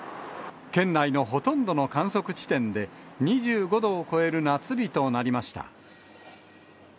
県内のほとんどの観測地点で、２５度を超える夏日となりました。